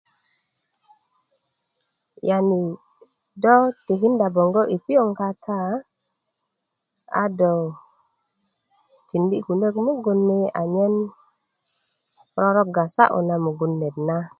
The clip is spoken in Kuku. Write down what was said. yani dó tikindá 'boŋgo i piyonŋ kata a do tindi kunak mogun ni anyen roroga sa'yu na mogun neet na